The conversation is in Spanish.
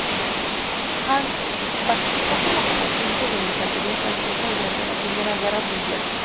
Hahn participó como combatiente de la infantería francesa durante la Primera Guerra Mundial.